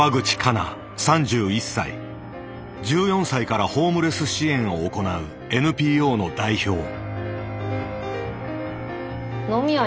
１４歳からホームレス支援を行うＮＰＯの代表。